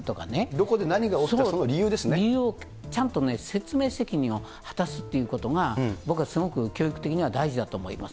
どこで何が起きたかその理由理由をちゃんと説明責任を果たすということが、僕はすごく教育的には大事だと思います。